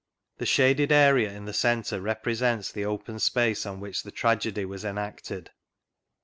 The shaded area in the centre represents the open space on which the tragedy was enacted.